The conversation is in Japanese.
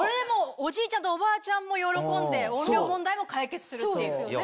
おじいちゃんとおばあちゃんも喜んで音量問題も解決するっていう。